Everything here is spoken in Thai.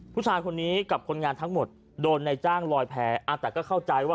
ผู้ชายคนนี้กับคนงานทั้งหมดโดนในจ้างลอยแพ้แต่ก็เข้าใจว่า